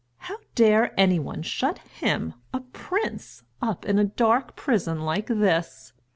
How dare any one shut him, a prince, up in a dark prison like this!